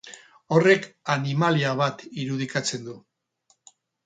Horrek animalia bat irudikatzen du.